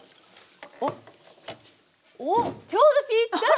おっちょうどぴったり！